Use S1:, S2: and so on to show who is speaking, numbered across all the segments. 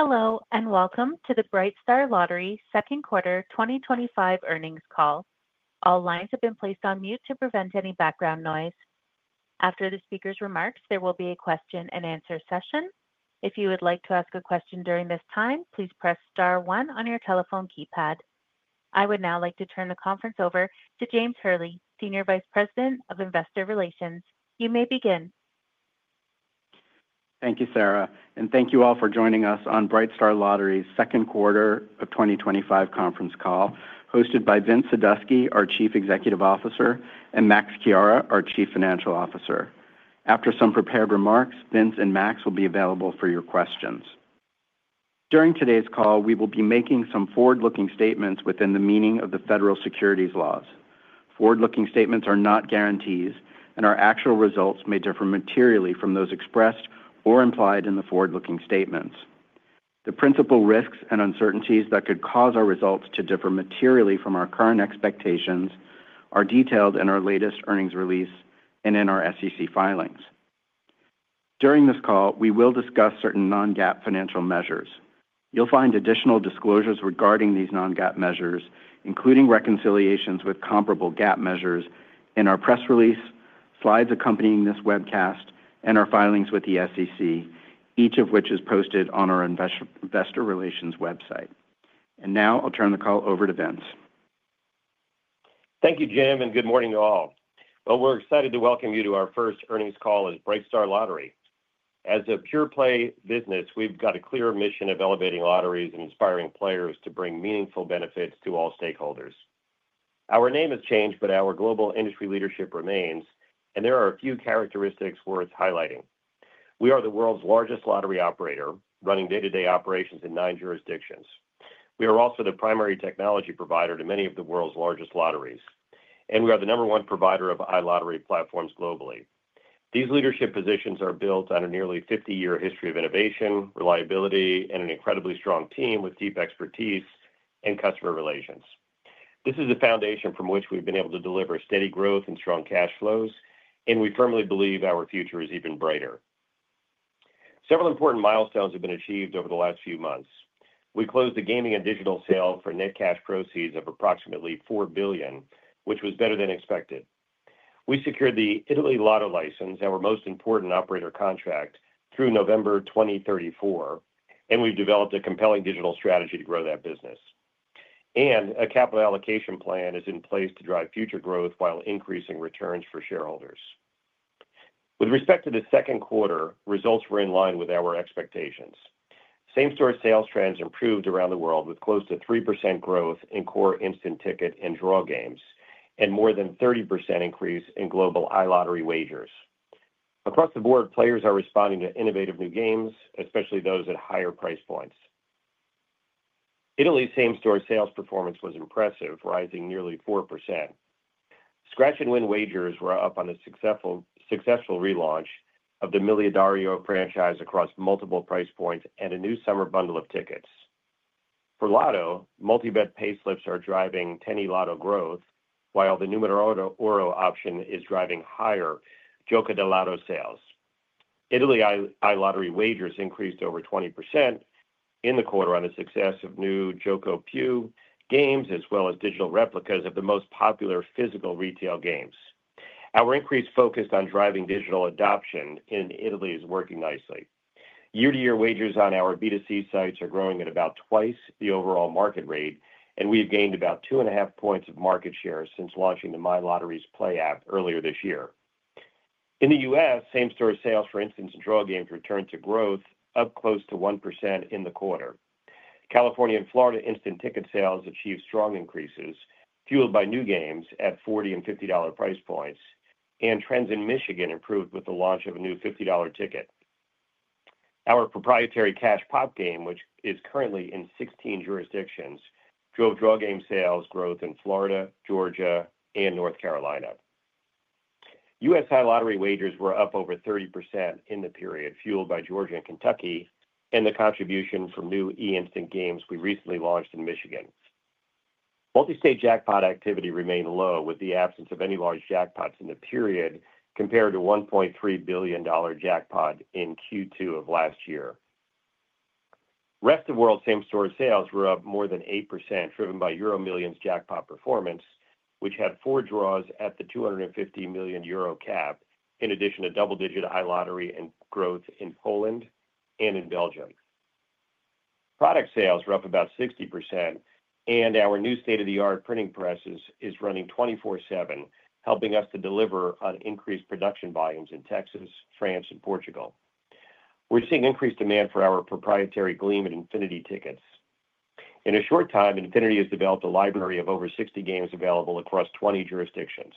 S1: Hello and welcome to the Brightstar Lottery second quarter 2025 earnings call. All lines have been placed on mute to prevent any background noise. After the speaker's remarks, there will be a question and answer session. If you would like to ask a question during this time, please press star 1 on your telephone keypad. I would now like to turn the conference over to James Hurley, Senior Vice President of Investor Relations. You may begin.
S2: Thank you, Sarah. Thank you all for joining us on Brightstar Lottery's second quarter.
S3: 2025 conference call hosted by Vince Sadusky, our Chief Executive Officer, and Max Chiara, our Chief Financial Officer.
S2: After some prepared remarks, Vince and Max will be available for your questions.
S3: During today's call, we will be making some forward-looking statements within the meaning.
S2: Of the federal securities laws.
S3: Forward-looking statements are not guarantees.
S2: Our actual results may differ materially.
S3: Those expressed or implied in the forward-looking statements. The principal risks and uncertainties that could.
S2: Cause our results to differ materially from.
S3: Our current expectations are detailed in our latest earnings release and in our SEC filings. During this call, we will discuss certain.
S2: Non-GAAP financial measures.
S3: You'll find additional disclosures regarding these non.
S2: GAAP measures, including reconciliations with comparable GAAP.
S3: Measures and in our press release, slides accompanying this webcast, and our filings with the SEC, each of which is posted on our investor relations website.
S2: I'll turn the call over to Vince. Thank you, Jim, and good morning to all. We are excited to welcome you to our first earnings call. As Brightstar Lottery as a pure play business, we've got a clear mission of elevating lotteries and inspiring players to bring meaningful benefits to all stakeholders. Our name has changed, but our global industry leadership remains, and there are a few characteristics worth highlighting. We are the world's largest lottery operator, running day-to-day operations in nine jurisdictions. We are also the primary technology provider to many of the world's largest lotteries, and we are the number one provider of iLottery platforms globally. These leadership positions are built on a nearly 50-year history of innovation, reliability, and an incredibly strong team with deep expertise in customer relations. This is the foundation from which we've been able to deliver steady growth and strong cash flows, and we firmly believe our future is even brighter. Several important milestones have been achieved over the last few months. We closed the gaming and digital sale for net cash proceeds of approximately $4 billion, which was better than expected. We secured the Italy Lotto license, our most important operator contract, through November 2034, and we've developed a compelling digital strategy to grow that business. A capital allocation plan is in place to drive future growth while increasing returns for shareholders. With respect to the second quarter, results were in line with our expectations. Same-store sales trends improved around the world with close to 3% growth in core instant ticket and draw games, and more than 30% increase in global iLottery wagers. Across the board, players are responding to innovative new games, especially those at higher price points. Italy's same-store sales performance was impressive, rising nearly 4%. Scratch-and-win wagers were up on a successful relaunch of the Milliardario franchise across multiple price points, and a new summer bundle of tickets for Lotto Multi bet payslips is driving Tenno Lotto growth, while the Numero option is driving higher Gioco Del Lotto sales. Italy iLottery wagers increased over 20% in the quarter on the success of new Gioco Plus games as well as digital replicas of the most popular physical retail games. Our increased focus on driving digital adoption in Italy is working nicely. Year to year, wagers on our B2C sites are growing at about twice the overall market rate, and we have gained about 2.5 points of market share since launching the MyLotteries Play app earlier this year. In the U.S., same-store sales for instant and draw games returned to growth, up close to 1% in the quarter. California and Florida instant ticket sales achieved strong increases fueled by new games at $40 and $50 price points, and trends in Michigan improved with the launch of a new $50 ticket. Our proprietary Cash Pop game, which is currently in 16 jurisdictions, drove draw game sales growth in Florida, Georgia, and North Carolina. U.S. high lottery wagers were up over 30% in the period, fueled by Georgia and Kentucky and the contribution from new einstant games we recently launched in Michigan. Multi-state jackpot activity remained low with the absence of any large jackpots in the period compared to the $1.3 billion jackpot in Q2 of last year. Rest of world same-store sales were up more than 8%, driven by EuroMillions jackpot performance, which had four draws at the €250 million cap. In addition to double-digit iLottery growth in Poland, and in Belgium product sales were up about 60%, and our new state-of-the-art printing presses is running 24/7, helping us to deliver on increased production volumes. In Texas, France, and Portugal, we're seeing increased demand for our proprietary Gleam and Infinity tickets. In a short time, Infinity has developed a library of over 60 games available across 20 jurisdictions.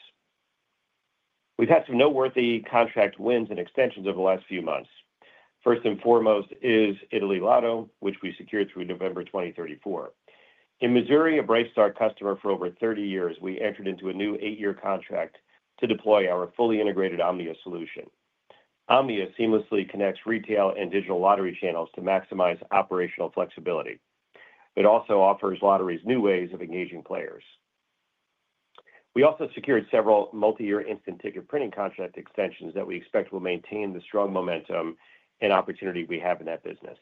S2: We've had some noteworthy contract wins and extensions over the last few months. First and foremost is Italy Lotto, which we secured through November 2034. In Missouri, a Brightstar Lottery customer for over 30 years, we entered into a new eight-year contract to deploy our fully integrated OMNIA solution. OMNIA seamlessly connects retail and digital lottery channels to maximize operational flexibility. It also offers lotteries new ways of engaging players. We also secured several multi-year instant ticket printing contract extensions that we expect will maintain the strong momentum and opportunity we have in that business.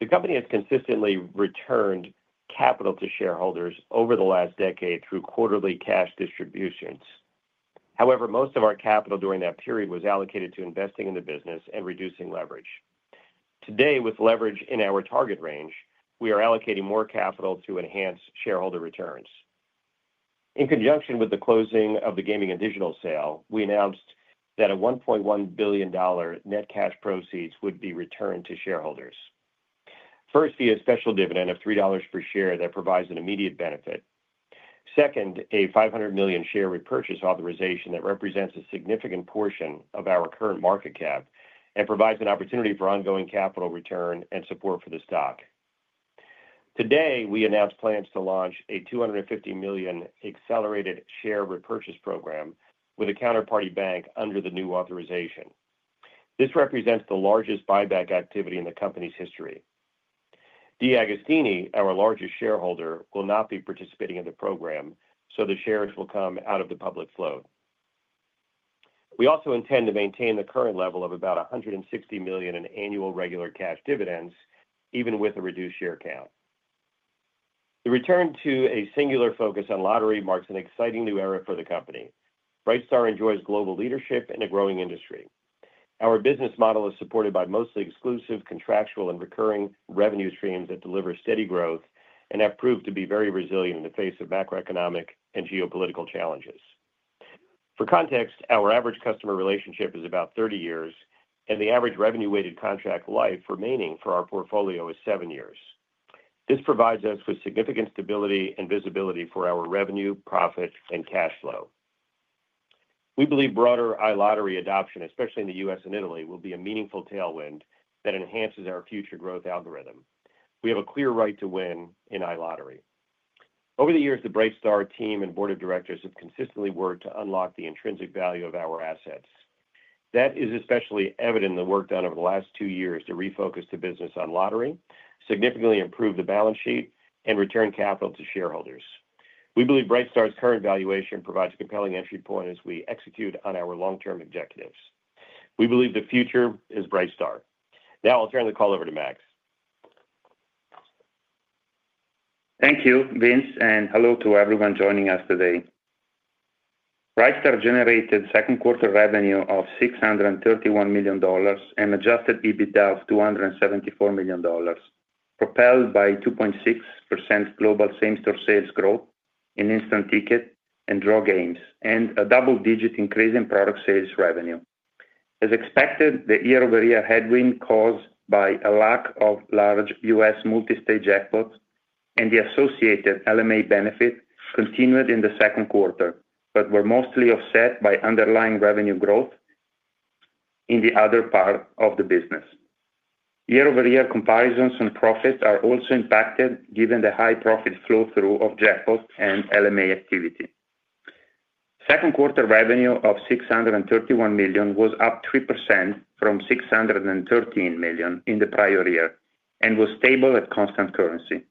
S2: The company has consistently returned capital to shareholders over the last decade through quarterly cash distributions. However, most of our capital during that period was allocated to investing in the business and reducing leverage. Today, with leverage in our target range, we are allocating more capital to enhance shareholder returns. In conjunction with the closing of the gaming and digital sale, we announced that $1.1 billion net cash proceeds would be returned to shareholders. First, via special dividend of $3 per share that provides an immediate benefit. Second, a $500 million share repurchase authorization that represents a significant portion of our current market cap and provides an opportunity for ongoing capital return and support for the stock. Today we announced plans to launch a $250 million accelerated share repurchase program with a counterparty bank under the new authorization. This represents the largest buyback activity in the company's history. D'Agostini, our largest shareholder, will not be participating in the program, so the shares will come out of the public float. We also intend to maintain the current level of about $160 million in annual regular cash dividends even with a reduced share count. The return to a singular focus on lottery marks an exciting new era for the company. Brightstar Lottery enjoys global leadership in a growing industry. Our business model is supported by mostly exclusive contractual and recurring revenue streams that deliver steady growth and have proved to be very resilient in the face of macroeconomic and geopolitical challenges. For context, our average customer relationship is about 30 years and the average revenue weighted contract life remaining for our portfolio is 7 years. This provides us with significant stability and visibility for our revenue, profit, and cash flow. We believe broader iLottery adoption, especially in the U.S. and Italy, will be a meaningful tailwind that enhances our future growth algorithm. We have a clear right to win in iLottery. Over the years, the Brightstar Lottery team and Board of Directors have consistently worked to unlock the intrinsic value of our assets. That is especially evident in the work done over the last two years to refocus the business on lottery, significantly improve the balance sheet, and return capital to shareholders. We believe Brightstar Lottery's current valuation provides a compelling entry point as we execute on our long-term objectives. We believe the future is Brightstar. Now I'll turn the call over to Max.
S3: Thank you, Vince, and hello to everyone joining us today. Brightstar Lottery generated second quarter revenue of $631 million and adjusted EBITDA of $274 million, propelled by 2.6% global same-store sales growth in instant ticket and draw games and a double-digit increase in product sales revenue. As expected, the year-over-year headwind caused by a lack of large U.S. multi-state jackpots and the associated LMA benefit continued in the second quarter but was mostly offset by underlying revenue growth in the other part of the business. Year-over-year comparisons and profits are also impacted given the high profit flow-through of jackpot and LMA activity. Second quarter revenue of $631 million was up 3% from $613 million in the prior year and was stable at constant currency.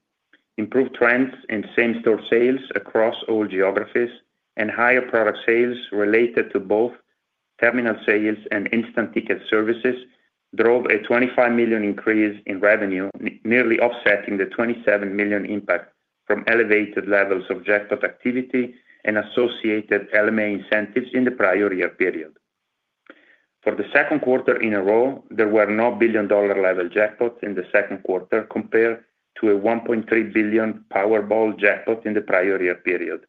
S3: Improved trends in same-store sales across all geographies and higher product sales related to both terminal sales and instant ticket services drove a $25 million increase in revenue, nearly offsetting the $27 million impact from elevated levels of jackpot activity and associated LMA incentives in the prior year period. For the second quarter in a row, there were no billion-dollar level jackpots in the second quarter compared to a $1.3 billion Powerball jackpot in the prior year period.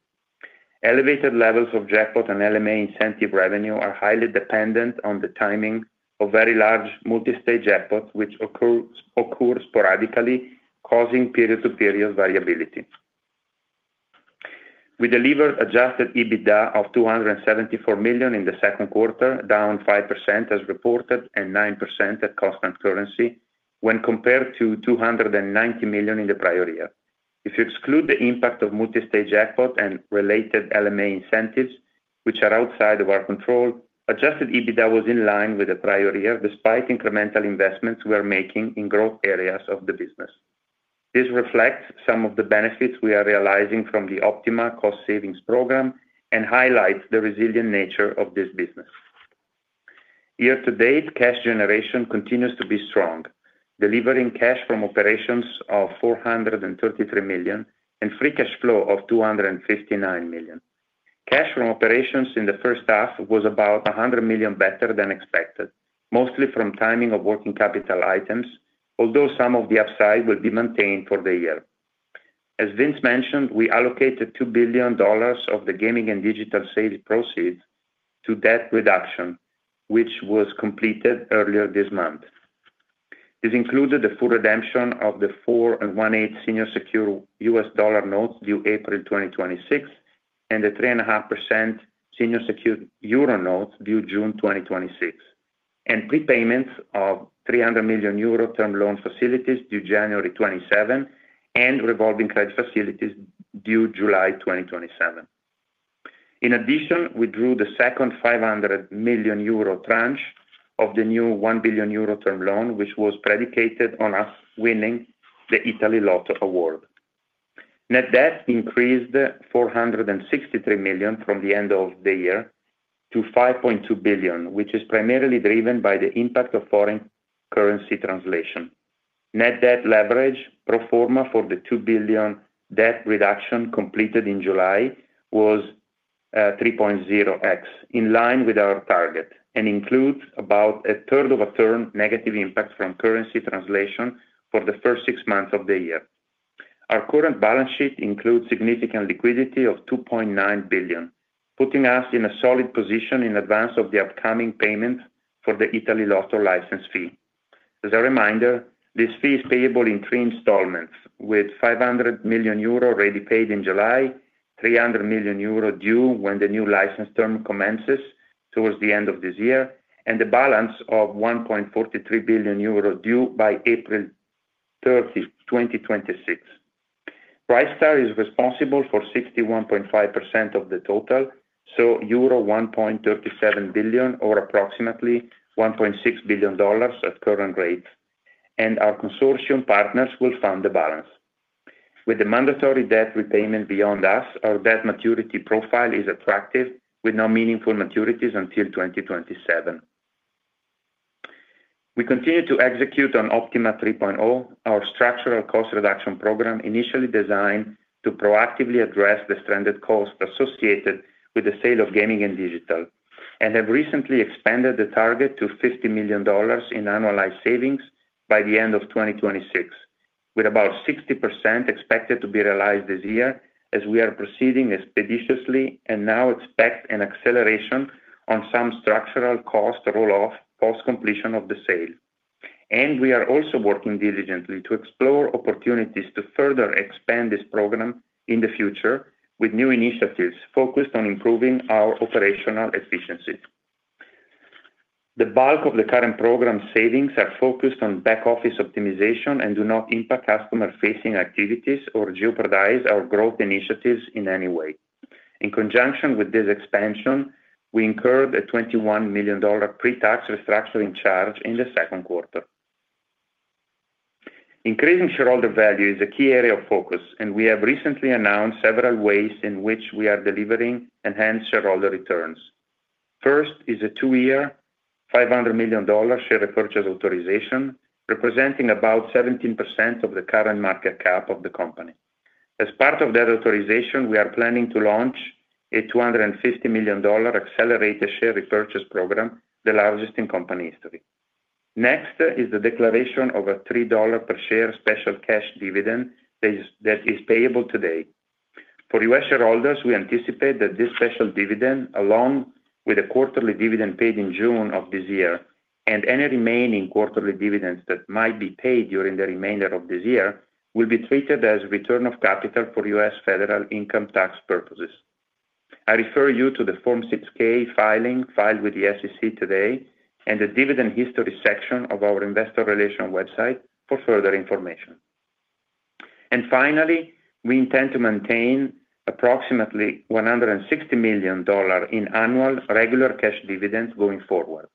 S3: Elevated levels of jackpot and LMA incentive revenue are highly dependent on the timing of very large multi-state jackpots, which occur sporadically, causing period-to-period variability. We delivered adjusted EBITDA of $274 million in the second quarter, down 5% as reported and 9% at constant currency when compared to $290 million in the prior year. If you exclude the impact of multi-state jackpot and related LMA incentives, which are outside of our control, adjusted EBITDA was in line with the prior year despite incremental investments we are making in growth areas of the business. This reflects some of the benefits we are realizing from the Optima 3.0 cost savings program and highlights the resilient nature of this business year to date. Cash generation continues to be strong, delivering cash from operations of $433 million and free cash flow of $259 million. Cash from operations in the first half was about $100 million better than expected, mostly from timing of working capital items, although some of the upside will be maintained for the year. As Vince mentioned, we allocated $2 billion of the gaming and digital sales proceeds to debt reduction, which was completed earlier this month. This included the full redemption of the 4.125% senior secured U.S. dollar notes due April 2026 and the 3.5% senior secured euro notes due June 2026, and prepayments of €300 million term loan facilities due January 2027 and revolving credit facilities due July 2027. In addition, we drew the second €500 million tranche of the new €1 billion term loan which was predicated on us winning the Italy Lotto Award. Net debt increased $463 million from the end of the year to $5.2 billion, which is primarily driven by the impact of foreign currency translation. Net debt leverage pro forma for the $2 billion debt reduction completed in July was 3.0x in line with our target and includes about a third of a turn negative impact from currency translation for the first six months of the year. Our current balance sheet includes significant liquidity of $2.9 billion, putting us in a solid position in advance of the upcoming payment for the Italy Lotto license fee. As a reminder, this fee is payable in three installments with €500 million already paid in July, €300 million due when the new license term commences towards the end of this year, and the balance of €1.43 billion due by April 30, 2026. Brightstar Lottery is responsible for 61.5% of the total, so €1.37 billion or approximately $1.6 billion at current rate, and our consortium partners will fund the balance. With the mandatory debt repayment behind us, our debt maturity profile is attractive with no meaningful maturities until 2027. We continue to execute on Optima 3.0, our structural cost reduction program initially designed to proactively address the stranded cost associated with the sale of gaming and digital, and have recently expanded the target to $50 million in annualized savings by the end of 2026 with about 60% expected to be realized this year. We are proceeding expeditiously and now expect an acceleration on some structural cost roll off post completion of the sale. We are also working diligently to explore opportunities to further expand this program in the future with new initiatives focused on improving our operational efficiency. The bulk of the current program savings are focused on back office optimization and do not impact customer facing activities or jeopardize our growth initiatives in any way. In conjunction with this expansion, we incurred a $21 million pre-tax restructuring charge in the second quarter. Increasing shareholder value is a key area of focus, and we have recently announced several ways in which we are delivering enhanced shareholder returns. First is a two-year, $500 million share repurchase authorization representing about 17% of the current market cap of the company. As part of that authorization, we are planning to launch a $250 million accelerated share repurchase program, the largest in company history. Next is the declaration of a $3 per share special cash dividend that is payable today for U.S. shareholders. We anticipate that this special dividend, along with a quarterly dividend paid in June of this year and any remaining quarterly dividends that might be paid during the remainder of this year, will be treated as return of capital for U.S. Federal income tax purposes. I refer you to the Form 6-K filing filed with the SEC today and the Dividend History section of our Investor Relations website for further information. Finally, we intend to maintain approximately $160 million in annual regular cash dividends going forward,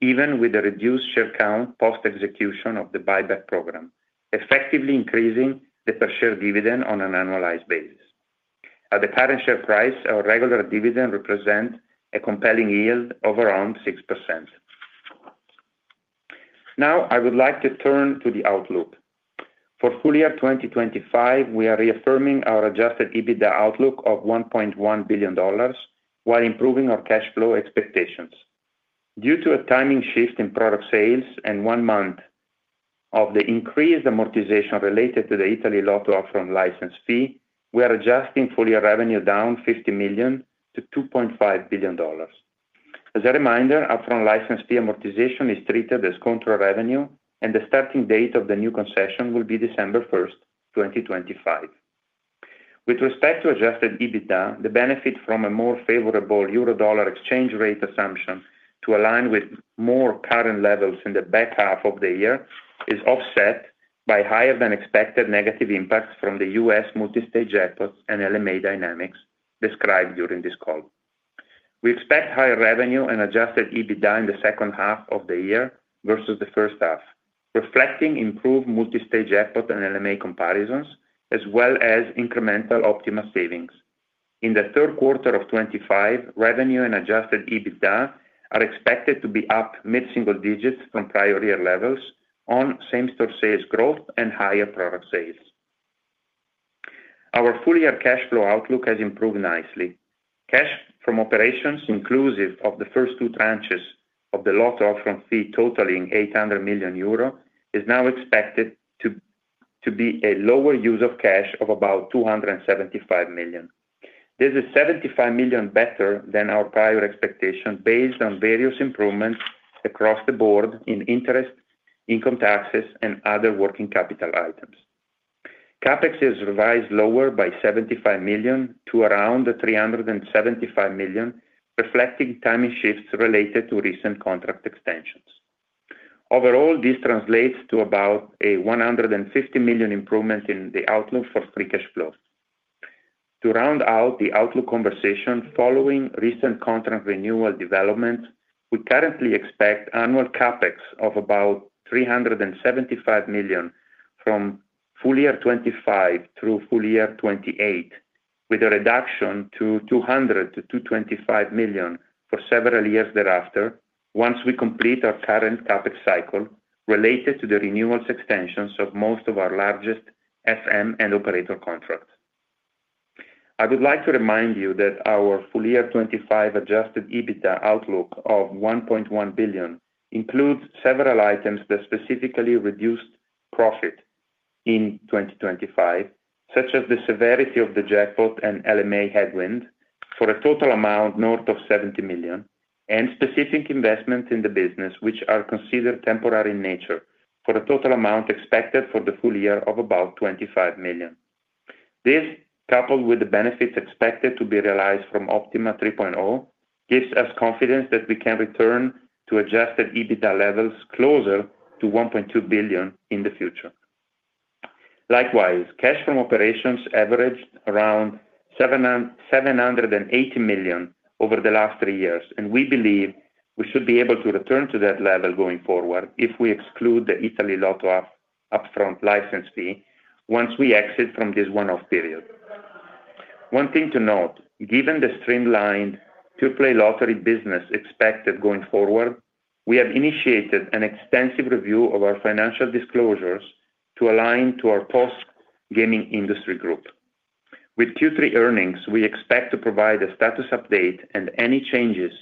S3: even with the reduced share count post execution of the buyback program, effectively increasing the per share dividend on an annualized basis. At the current share price, our regular dividend represents a compelling yield of around 6%. Now I would like to turn to the outlook for full year 2025. We are reaffirming our adjusted EBITDA outlook of $1.1 billion while improving our cash flow expectations. Due to a timing shift in product sales and one month of the increased amortization related to the Italy Lotto upfront license fee, we are adjusting full year revenue down $50 million to $2.5 billion. As a reminder, upfront license fee amortization is treated as contra revenue, and the starting date of the new concession will be December 1, 2025. With respect to adjusted EBITDA, the benefit from a more favorable Eurodollar exchange rate assumption to align with more current levels in the back half of the year is offset by higher than expected negative impacts from the muted U.S. multi-state jackpot activity and LMA dynamics described during this call. We expect higher revenue and adjusted EBITDA in the second half of the year versus the first half, reflecting improved multi-state jackpot and LMA comparisons as well as incremental Optima 3.0 cost savings in 3Q25. Revenue and adjusted EBITDA are expected to be up mid-single digits from prior year levels on same-store sales growth and higher product sales. Our full year cash flow outlook has improved nicely. Cash from operations inclusive of the first two tranches of the Lotto upfront fee totaling €800 million is now expected to be a lower use of cash of about €275 million. This is €75 million better than our prior expectation, based on various improvements across the board in interest, income taxes, and other working capital items. CapEx has revised lower by €75 million to around €375 million, reflecting timing shifts related to recent contract extensions. Overall, this translates to about a €150 million improvement in the outlook for free cash flows. To round out the outlook conversation following recent contract renewal developments, we currently expect annual CapEx of about €375 million from full year 2025 through full year 2028, with a reduction to €200 to €225 million for several years thereafter once we complete our current CapEx cycle. Related to the renewals and extensions of most of our largest SM and operator contracts, I would like to remind you that our full year 2025 adjusted EBITDA outlook of €1.1 billion includes several items that specifically reduce profit in 2025, such as the severity of the jackpot and LMA headwind for a total amount north of €70 million and specific investments in the business which are considered temporary in nature for a total amount expected for the full year of about €25 million. This, coupled with the benefits expected to be realized from Optima 3.0, gives us confidence that we can return to adjusted EBITDA levels closer to €1.2 billion in the future. Likewise, cash from operations averaged around €780 million over the last three years, and we believe we should be able to return to that level going forward if we exclude the Italy Lotto upfront license fee once we exit from this one-off period. One thing to note, given the streamlined two-play lottery business expected going forward, we have initiated an extensive review of our financial disclosures to align to our post-gaming industry group with Q3 earnings. We expect to provide a status update and any changes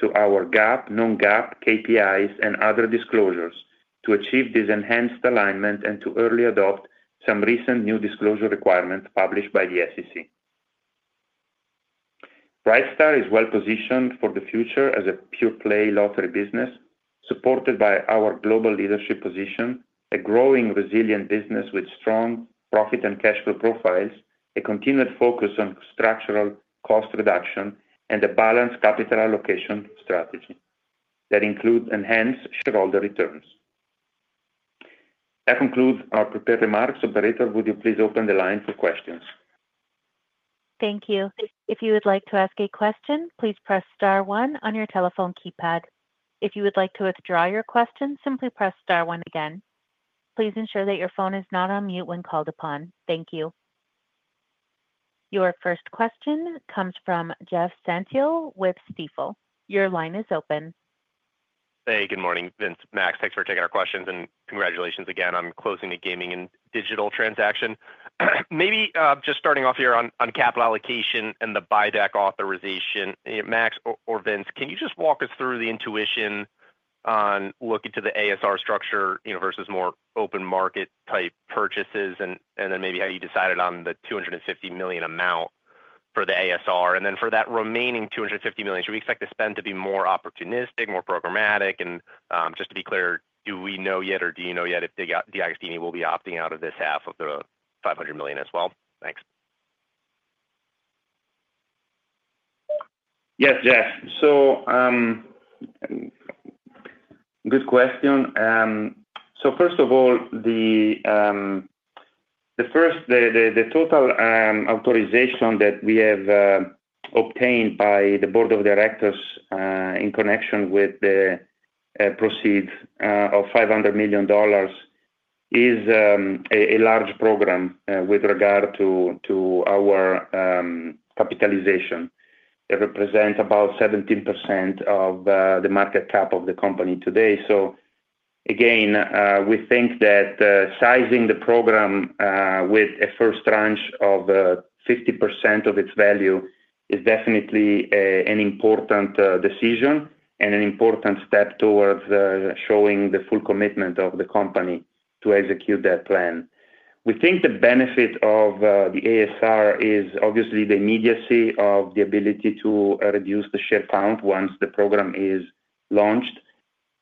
S3: to our GAAP, non-GAAP KPIs, and other disclosures to achieve this enhanced alignment and to early adopt some recent new disclosure requirements published by the SEC. Brightstar Lottery is well positioned for the future as a pure play lottery business supported by our global leadership position, a growing resilient business with strong profit and cash flow profiles, a continued focus on structural cost reduction, and a balanced capital allocation strategy that includes enhanced shareholder returns. That concludes our prepared remarks. Operator, would you please open the line for questions?
S1: Thank you. If you would like to ask a question, please press Star one on your telephone keypad. If you would like to withdraw your question, simply press Star one again. Please ensure that your phone is not on mute when called upon. Thank you. Your first question comes from Jeff Santill with Stifel. Your line is open.
S2: Hey, good morning, Vince. Max, thanks for taking our questions and congratulations again on closing the gaming and digital transaction. Maybe just starting off here on capital allocation and the buyback authorization. Max or Vince, can you just walk us through the intuition on looking to the accelerated share repurchase program structure versus more open market type purchases, and then maybe how you decided on the $250 million amount for the accelerated share repurchase program, and then for that remaining $250 million, should we expect the spend to be more opportunistic, more programmatic? Just to be clear, do we know yet or do you know yet if the De Agostini will be opting out of this half of the $500 million as well? Thanks.
S3: Yes, Jeff, good question. First of all, the total authorization that we have obtained by the Board of Directors in connection with the proceed of $500 million is a large program with regard to our capitalization and represents about 17% of the market cap of the company today. We think that sizing the program with a first tranche of 50% of its value is definitely an important decision and an important step towards showing the full commitment of the company to execute that plan. We think the benefit of the accelerated share repurchase program is obviously the immediacy of the ability to reduce the share count once the program is launched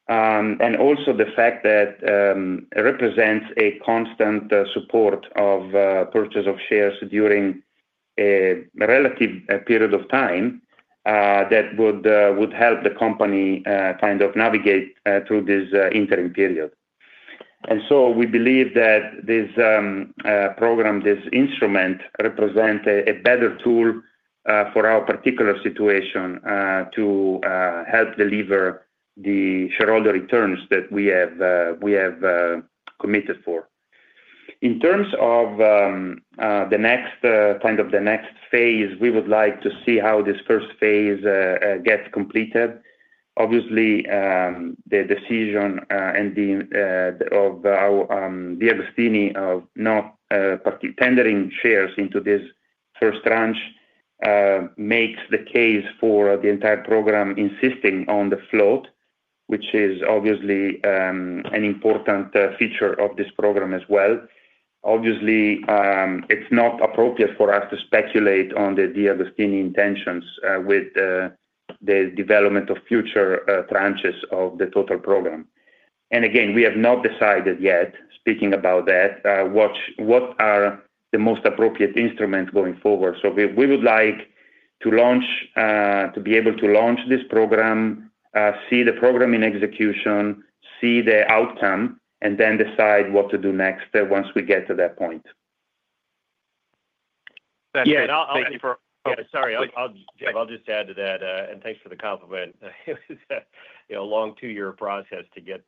S3: and also the fact that it represents a constant support of purchase of shares during a relative period of time that would help the company navigate through this interim period. We believe that this program, this instrument, represents a better tool for our particular situation to help deliver the shareholder returns that we have committed for in terms of the next phase. We would like to see how this first phase gets completed. Obviously, the decision of De Agostini of not tendering shares into this first tranche makes the case for the entire program insisting on the float, which is an important feature of this program as well. It is not appropriate for us to speculate on the De Agostini intentions with the development of future tranches of the total program. We have not decided yet, speaking about that, what are the most appropriate instruments going forward. We would like to be able to launch this program, see the program in execution, see the outcome, and then decide what to do next once we get to that point.
S2: Thank you for. Sorry, I'll just add to that and thanks for the compliment. A long two year process to get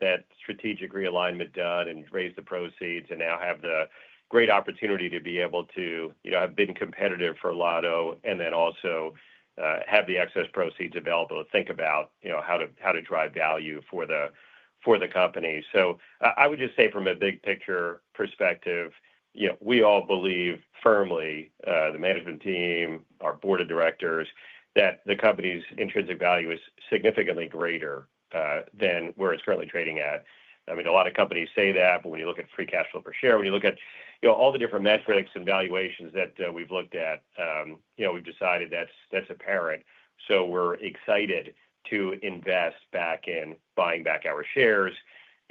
S2: that strategic realignment done and raise the proceeds and now have the great opportunity to be able to have been competitive for Lotto and then also have the excess proceeds available to think about how to drive value for the company. I would just say from a big picture perspective, we all believe firmly, the management team, our Board of Directors, that the company's intrinsic value is significantly greater than where it's currently trading at. I mean, a lot of companies say that, but when you look at free cash flow per share, when you look at all the different metrics and valuations that we've looked at, we've decided that's apparent. We're excited to invest back in buying back our shares.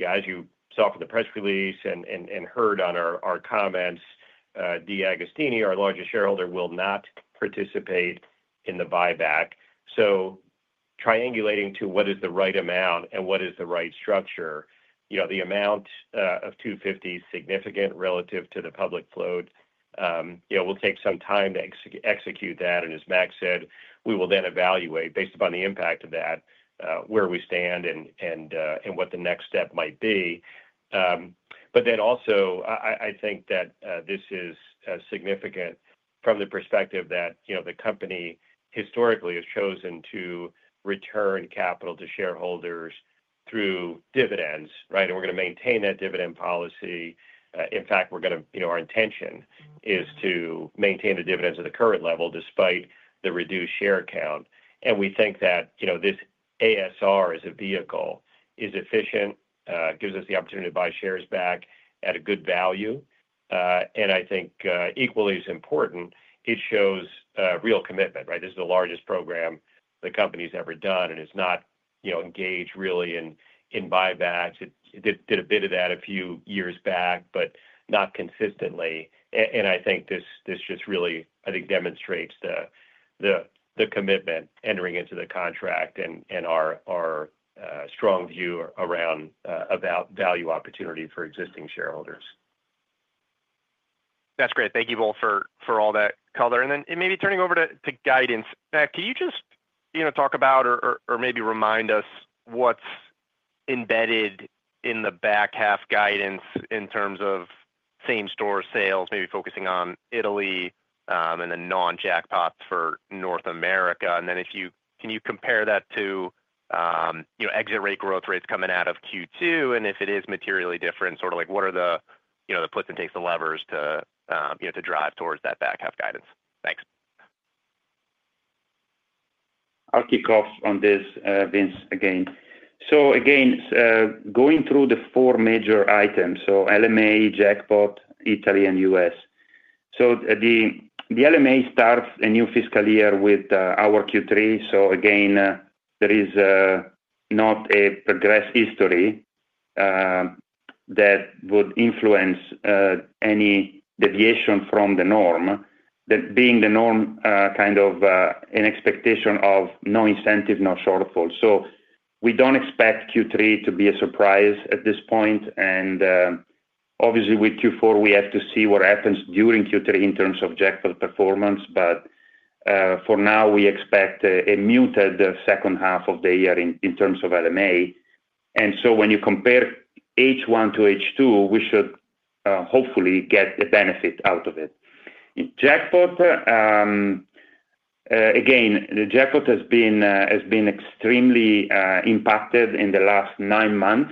S2: As you saw from the press release and heard on our comments, d'Agostini, our largest shareholder, will not participate in the buyback. Triangulating to what is the right amount and what is the right structure, the amount of $250 million is significant relative to the public float, and it will take some time to execute that. As Max said, we will then evaluate based upon the impact of that where we stand and what the next step might be. I think that this is significant from the perspective that the company historically has chosen to return capital to shareholders through dividends. We're going to maintain that dividend policy. In fact, our intention is to maintain the dividends at the current level despite the reduced share count. We think that this ASR as a vehicle is efficient, gives us the opportunity to buy shares back at a good value, and I think equally as important, it shows real commitment. This is the largest program the company's ever done and it's not really engaged in buybacks. It did a bit of that a few years back, but not consistently. I think this just really demonstrates the commitment entering into the contract and our strong view around about value opportunity for existing shareholders. That's great, thank you both for all that color. Maybe turning over to guidance, Matt, can you just talk about or maybe remind us what's embedded in the back half guidance in terms of same-store sales, maybe focusing on Italy and then non-jackpots for North America, and then if you can, can you compare that to exit rate growth rates coming out of Q2 and if it is materially different, sort of like what are the puts and takes, the levers to drive towards that back half guidance. Thanks.
S3: I'll kick off on this. Vince, again, so again going through the four major items. LMA jackpot, Italy and U.S. The LMA starts a new fiscal year with our Q3. There is not a progressed history that would influence any deviation from the norm being the norm. Kind of an expectation of no incentive, no shortfall. We don't expect Q3 to be a surprise at this point. Obviously with Q4 we have to see what happens during Q3 in terms of jackpot performance. For now we expect a muted second half of the year in terms of LMA. When you compare H1 to H2, we should hopefully get a benefit out of it. Jackpot again, the jackpot has been extremely impacted in the last nine months.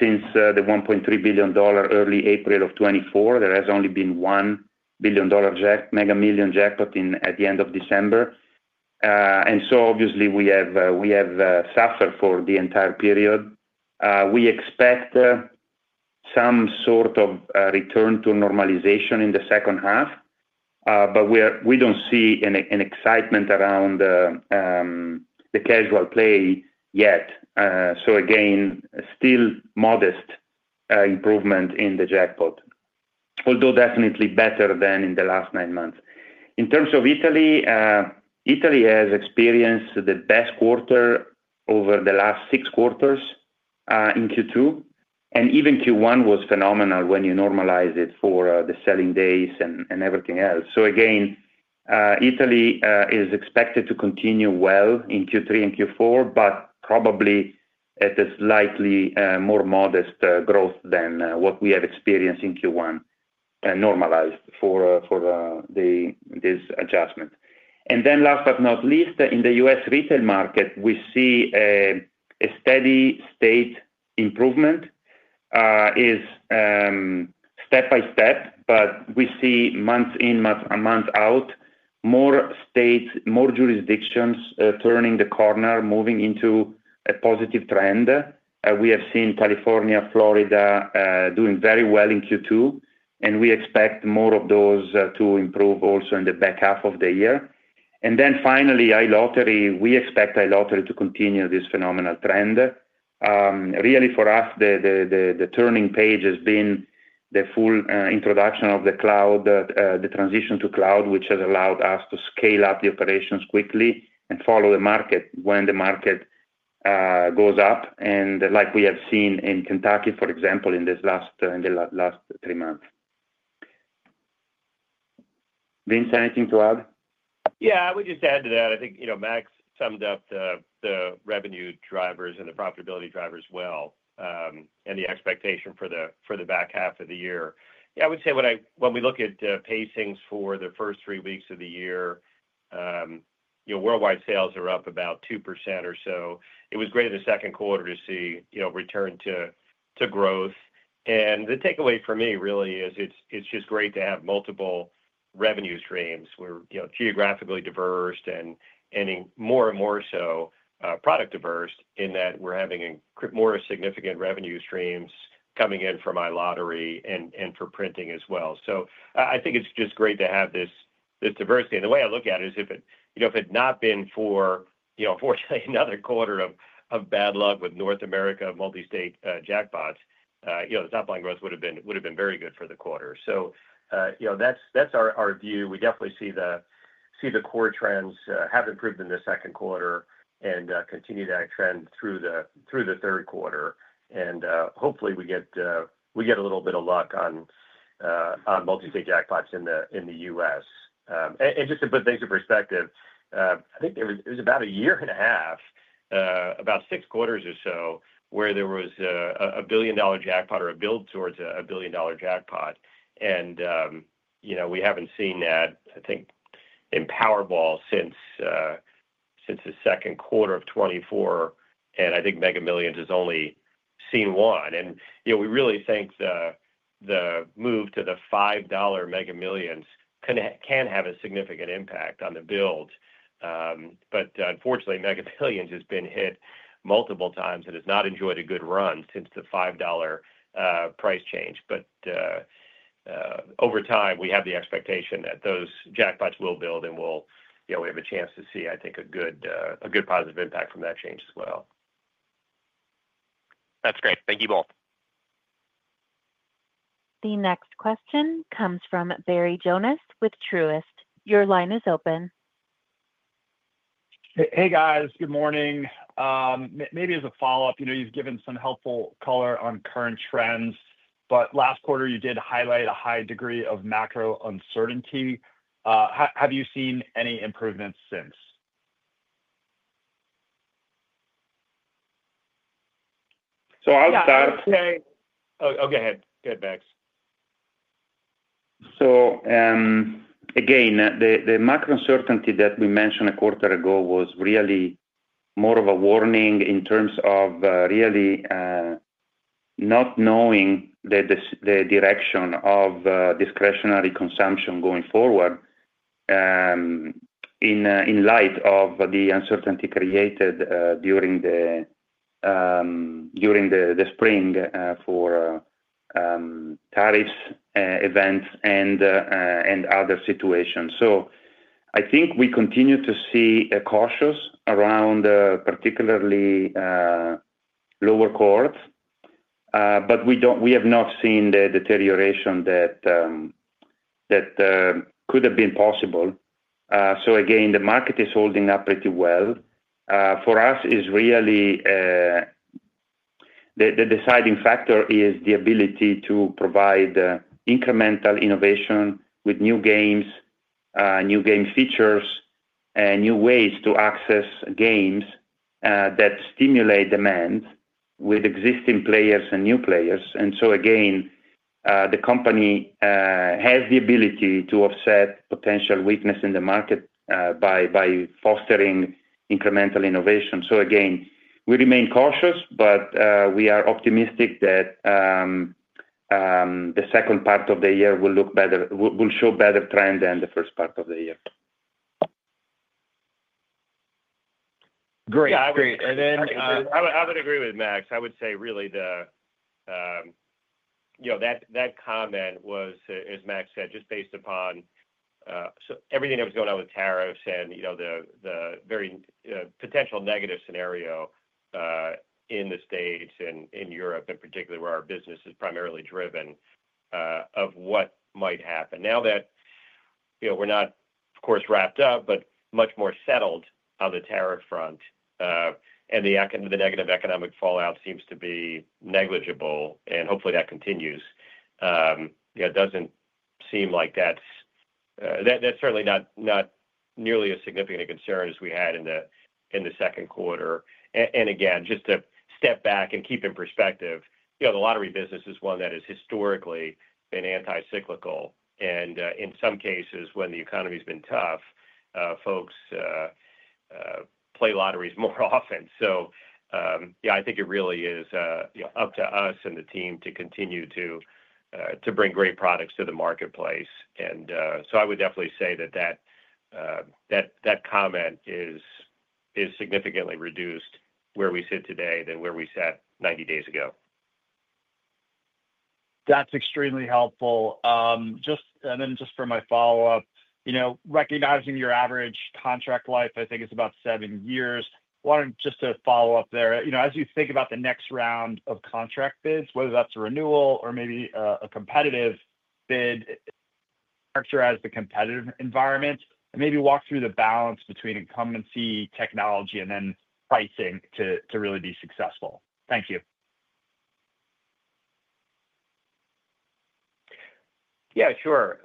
S3: Since the $1.3 billion early April of 2024, there has only been $1 billion Mega Millions jackpot at the end of December. Obviously we have suffered for the entire period. We expect some sort of return to normalization in the second half, but we don't see an excitement around the casual play yet. Still modest improvement in the jackpot, although definitely better than in the last nine months. In terms of Italy, Italy has experienced the best quarter over the last six quarters in Q2 and even Q1 was phenomenal when you normalize it for the selling days and everything else. Italy is expected to continue well in Q3 and Q4, but probably at a slightly more modest growth than what we have experienced in Q1 normalized for this adjustment. Last but not least, in the U.S. retail market we see a steady state improvement step by step. We see months in, month out, more states, more jurisdictions turning the corner, moving into a positive trend. We have seen California, Florida doing very well in Q2 and we expect more of those to improve also in the back half of the year. Finally, iLottery, we expect iLottery to continue this phenomenal trend. Really for us, the turning page has been the full introduction of the cloud, the transition to cloud, which has allowed us to scale up the operations quickly and follow the market when the market goes up, like we have seen in Kentucky for example in this last three months. Vince, anything to add?
S2: Yeah, I would just add to that. I think Max summed up the revenue drivers and the profitability drivers well and the expectation for the back half of the year. I would say when we look at pacings for the first three weeks of the year, worldwide sales are up about 2% or so. It was great in the second quarter to see a return to growth. The takeaway for me really is it's just great to have multiple revenue streams. We're geographically diverse and becoming more and more product diverse in that we're having more significant revenue streams coming in from iLottery and for printing as well. I think it's just great to have this diversity. The way I look at it is if it had not been for another quarter of bad luck with North America multi-state jackpots, the top line growth would have been very good for the quarter. That's our view. We definitely see the core trends have improved in the second quarter and continue that trend through the third quarter. Hopefully we get a little bit of luck on multi-state jackpots in the U.S. and just to put things in perspective, I think it was about a year and a half, about six quarters or so where there was a billion dollar jackpot or a build towards a billion dollar jackpot. We haven't seen that in Powerball since 2Q24. I think Mega Millions has only seen one. We really think the move to the $5 Mega Millions can have a significant impact on the build. Unfortunately, Mega Millions has been hit multiple times and has not enjoyed a good run since the $5 price change. Over time we have the expectation that those jackpots will build and we have a chance to see, I think, a good positive impact from that change as well.
S3: That's great. Thank you both.
S1: The next question comes from Barry Jonas with Truist. Your line is open.
S2: Hey guys. Good morning. Maybe as a follow up, you know, you've given some helpful color on current trends, but last quarter you did highlight a high degree of macro uncertainty. Have you seen any improvements since? I'll start. Go ahead, go ahead Max.
S3: The macro uncertainty that we mentioned a quarter ago was really more of a warning in terms of really not knowing the direction of discretionary consumption going forward in light of the uncertainty created during the spring for tariffs, events, and other situations. I think we continue to see a cautiousness around particularly lower courts, but we have not seen the deterioration that could have been possible. The market is holding up pretty well for us. The deciding factor is the ability to provide incremental innovation with new games, new game features, and new ways to access games that stimulate demand with existing players and new players. The company has the ability to offset potential weakness in the market by fostering incremental innovation. We remain cautious, but we are optimistic that the second part of the year will look better and will show a better trend than the first part of the year.
S2: Great. I would agree with Max, I would say really, that comment was, as Max said, just based upon everything that was going on with tariffs and the very potential negative scenario in the States and in Europe in particular, where our business is primarily driven of what might happen now that we're not of course wrapped up, but much more settled on the tariff front and the negative economic fallout seems to be negligible and hopefully that continues. It doesn't seem like that's certainly not nearly as significant a concern as we had in the second quarter. Again, just to step back and keep in perspective, the lottery business is one that has historically been anti cyclical and in some cases when the economy's been tough, folks play lotteries more often. I think it really is up to us and the team to continue to bring great products to the marketplace. I would definitely say that that comment is significantly reduced where we sit today than where we sat 90 days ago. That's extremely helpful. Just for my follow up, recognizing your average contract life, I think it's about seven years wanting just to follow up there, as you think about the next round of contract bids, whether that's a renewal or maybe a competitive bid character as the competitive environment and maybe walk through the balance between incumbency technology and then pricing to really be successful.
S4: Thank you.
S2: Yeah, sure.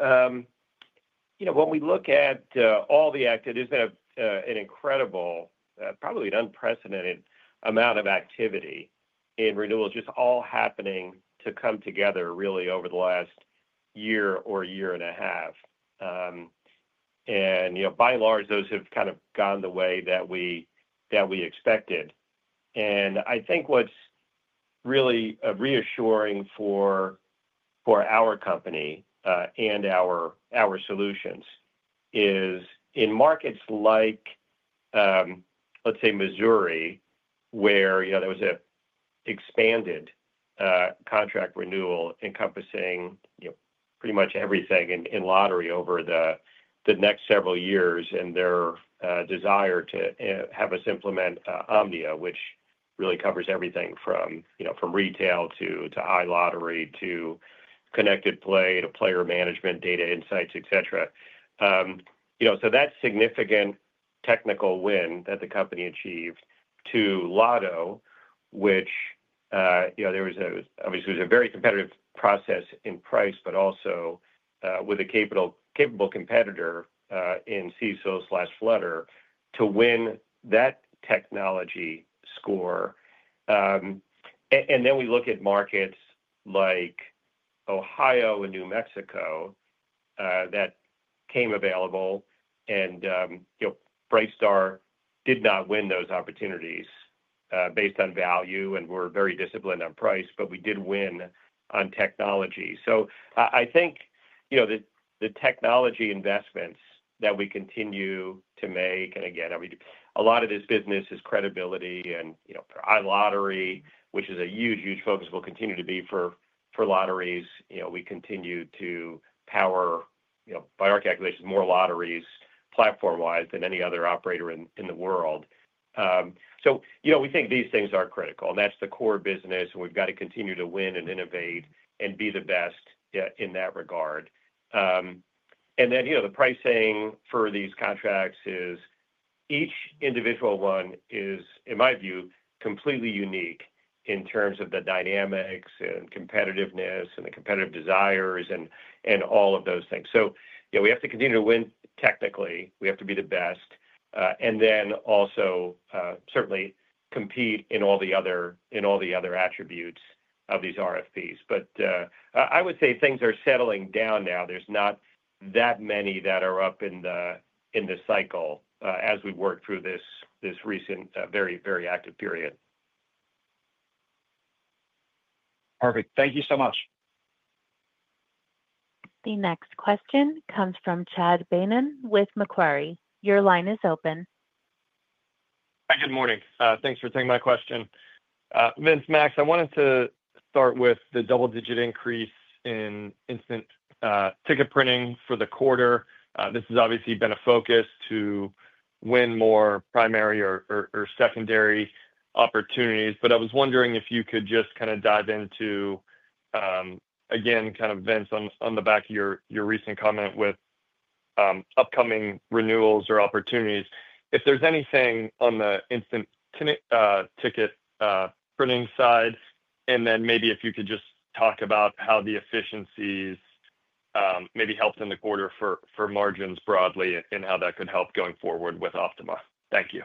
S2: You know, when we look at all the activities, an incredible, probably an unprecedented amount of activity in renewal just all happening to come together really over the last year or year and a half, and by and large those have kind of gone the way that we expected. I think what's really reassuring for our company and our solutions is in markets like, let's say, Missouri, where there was an expanded contract renewal encompassing pretty much everything in lottery over the next several years, and their desire to have us implement OMNIA, which really covers everything from retail to iLottery to connected play to player management, data insights, et cetera. That significant technical win that the company achieved to Lotto, which, you know, there was obviously a very competitive process in price but also with a capital capable competitor in CISO Flutter to win that technology score. We look at markets like Ohio and New Mexico that came available, and Brightstar did not win those opportunities based on value and were very disciplined on price, but we did win on technology. I think the technology investments that we continue to make, and again, a lot of this business is credibility, and iLottery, which is a huge, huge focus, will continue to be for lotteries. We continue to power, by our calculations, more lotteries platform-wise than any other operator in the world. We think these things are critical, and that's the core business, and we've got to continue to win and innovate and be the best in that regard. The pricing for these contracts is, each individual one is in my view completely unique in terms of the dynamics and competitiveness and the competitive desires and all of those things. We have to continue to win technically, we have to be the best, and also certainly compete in all the other attributes of these RFPs. I would say things are settling down now. There's not that many that are up in the cycle as we work through this recent, very, very active period. Perfect.
S4: Thank you so much.
S1: The next question comes from Chad Banan with Macquarie. Your line is open.
S2: Good morning. Thanks for taking my question, Vince. Max, I wanted to start with the double digit increase in instant ticket printing for the quarter. This has obviously been a focus to win more primary or secondary opportunities, but I was wondering if you could just kind of dive into again, kind of, Vince, on the back of your recent comment, with upcoming renewals or opportunities, if there's anything on the instant ticket printing side and then maybe if you could just talk about how the efficiencies maybe helped in the quarter for margins broadly and how that could help going forward with Optima. Thank you.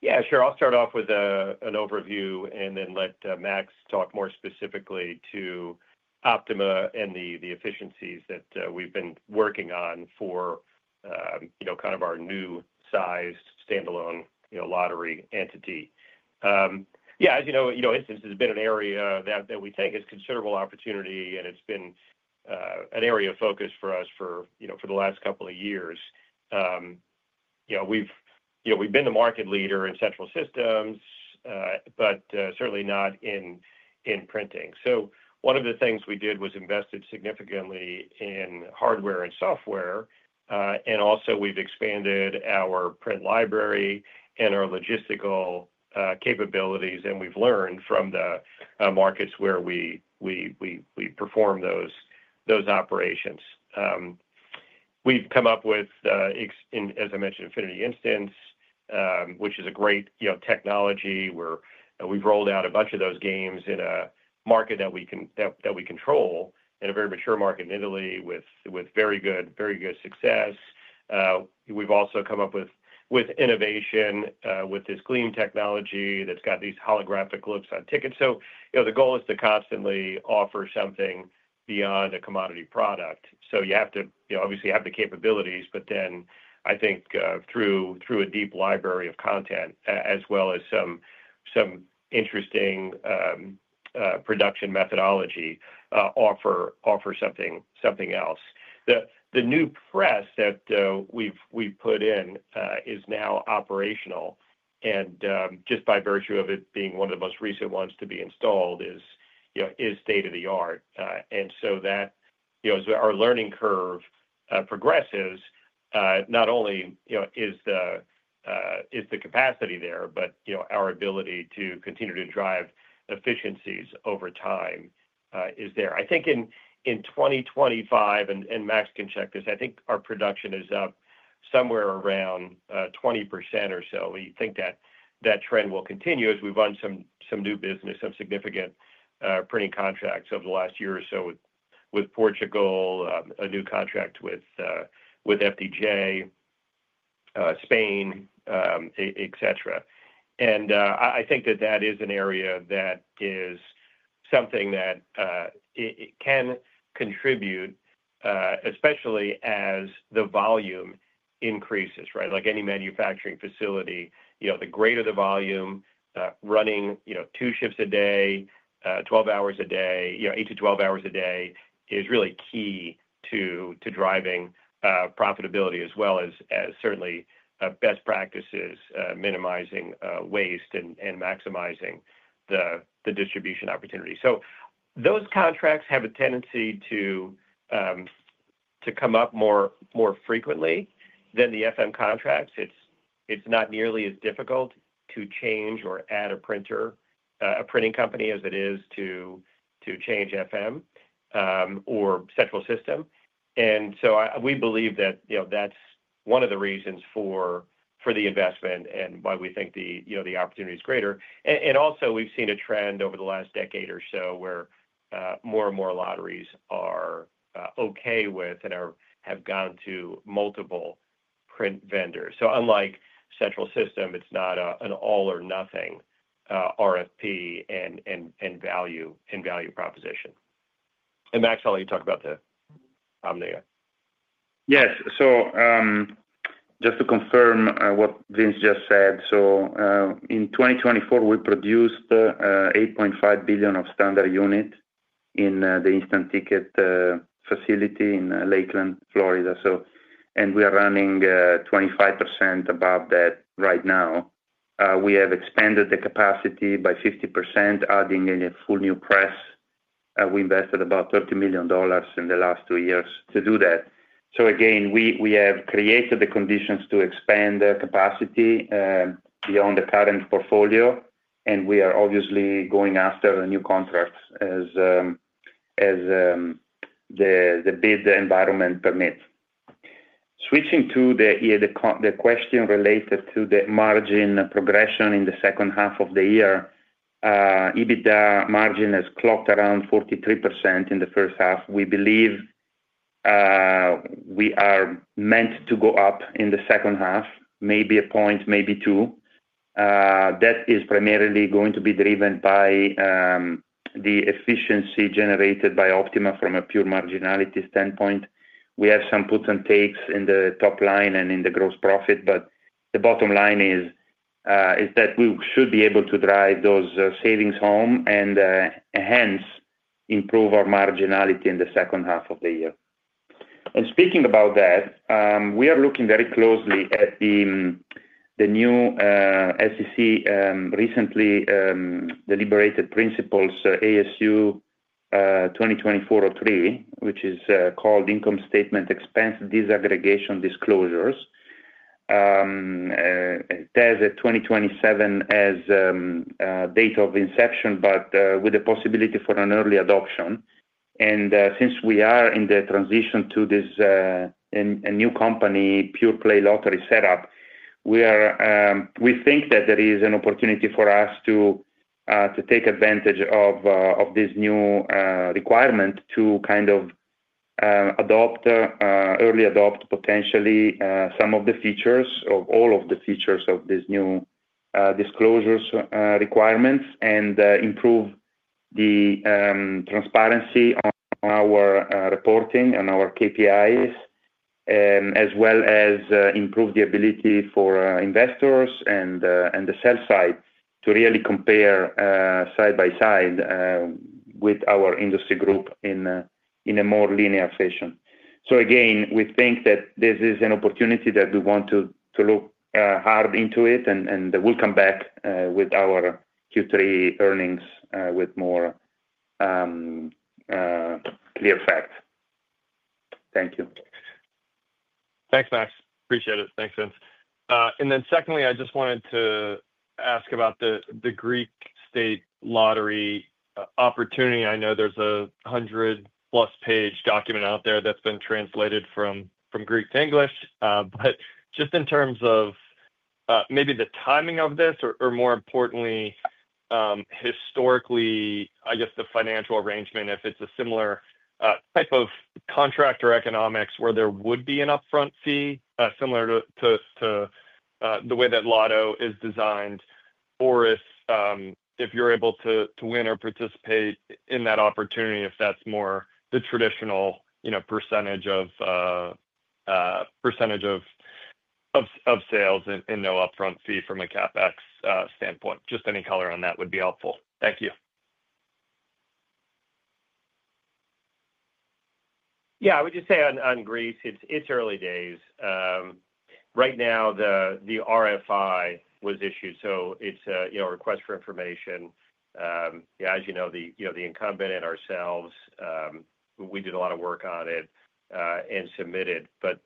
S2: Yeah, sure. I'll start off with an overview and then let Max talk more specifically to Optima and the efficiencies that we've been working on for our new size standalone lottery entity. As you know, instant ticket has been an area that we think is considerable opportunity and it's been an area of focus for us for the last couple of years. We've been the market leader in central systems, but certainly not in printing. One of the things we did was invested significantly in hardware and software and also we've expanded our print library and our logistical capabilities and we've learned from the markets where we perform those operations. We've come up with, as I mentioned, Infinity instant, which is a great technology. We've rolled out a bunch of those games in a market that we control in a very mature market in Italy with very good success. We've also come up with innovation with this Gleam technology that's got these holographic looks on tickets. The goal is to constantly offer something beyond a commodity product. You have to obviously have the capabilities, but then I think through a deep library of content as well as some interesting production methodology, offer something else. The new press that we put in is now operational and just by virtue of it being one of the most recent ones to be installed is state of the art. As our learning curve progresses, not only is the capacity there, but our ability to continue to drive efficiencies over time is there, I think in 2025. Max can check this, I think our production is up somewhere around 20% or so. We think that trend will continue as we've won some new business, some significant printing contracts over the last year or so with Portugal, a new contract with FDJ Spain, et cetera. I think that is an area that is something that can contribute especially as the volume increases. Right. Like any manufacturing facility, the greater the volume running, two shifts a day, 12 hours a day, eight to 12 hours a day, is really key to driving profitability as well as certainly best practices minimizing waste and maximizing the distribution opportunity. Those contracts have a tendency to come up more frequently than the FM contracts. It's not nearly as difficult to change or add a printer, a printing company as it is to change FM or Central System. We believe that is one of the reasons for the investment and why we think the opportunity is greater. Also, we've seen a trend over the last decade or so where more and more lotteries are okay with and have gone to multiple print vendors. Unlike Central System, it's not an all or nothing RFP and value proposition. Max, I'll let you talk about the OMNIA. Yes.
S3: Just to confirm what Vince just said, in 2024 we produced $8.5 billion of standard unit in the instant ticket facility in Lakeland, Florida. We are running 25% above that right now. We have expanded the capacity by 50%, adding in a full new press. We invested about $30 million in the last two years to do that. We have created the conditions to expand capacity beyond the current portfolio and we are obviously going after the new contract as the bid environment permits. Switching to the question related to the margin progression in the second half of the year, EBITDA margin has clocked around 43% in the first half. We believe we are meant to go up in the second half, maybe a point, maybe two. That is primarily going to be driven by the efficiency generated by Optima. From a pure marginality standpoint, we have some puts and takes in the top line and in the gross profit, but the bottom line is that we should be able to drive those savings home and hence improve our marginality in the second half of the year. Speaking about that, we are looking very closely at the new SEC recently deliberated principles ASU 2024-03, which is called Income Statement Expense Disaggregation Disclosures 2027 as date of inception but with the possibility for an early adoption. Since we are in the transition to this new company pure play lottery setup, we think that there is an opportunity for us to take advantage of this new requirement to kind of adopt early, adopt potentially some of the features or all of the features of this new disclosures requirements and improve the transparency on our reporting and our KPIs as well as improve the ability for investors and the sell side to really compare side by side with our industry group in a more linear fashion. We think that this is an opportunity that we want to look hard into and we'll come back with our Q3 earnings with more clear fact. Thank you.
S5: Thanks, Max. Appreciate it. Thanks, Vince. Secondly, I just wanted to ask about the Greek state lottery opportunity. I know there's a hundred plus page document out there that's been translated from Greek to English, but just in terms of maybe the timing of this or, more importantly, historically, I guess the financial arrangement, if it's a similar type of contract or economics where there would be an upfront fee similar to the way that Lotto is designed, or if you're able to win or participate in that opportunity, if that's more the traditional % of sales and no upfront fee from a CapEx standpoint, just any color on that would be helpful. Thank you. Yeah, I would just say on Greece it's early days right now. The RFI was issued, so it's a request for information. As you know, the incumbent and ourselves, we did a lot of work on it and submitted, but